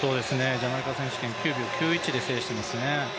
ジャマイカ選手権を９秒９１で制していますね。